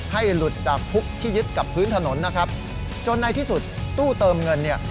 ให้หลุดจากพุกที่ยึดกับพื้นถนนนะครับจนในที่สุดตู้เติมเงินเนี่ย